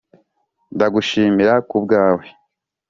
ndagushimira kubwawe.